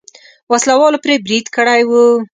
وسله والو پرې برید کړی و.